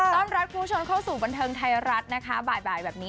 ต้อนรับคุณผู้ชมเข้าสู่บันเทิงไทยรัฐนะคะบ่ายแบบนี้